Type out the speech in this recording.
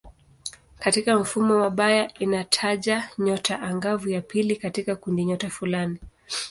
Katika mfumo wa Bayer inataja nyota angavu ya pili katika kundinyota fulani.